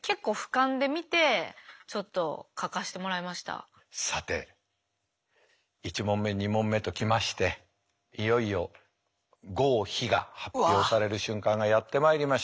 私このさて１問目２問目ときましていよいよ合否が発表される瞬間がやってまいりました。